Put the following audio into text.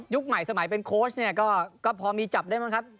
ใหม่สมัยเป็นโค้ชเนี่ยก็พอมีจับได้มั้งครับ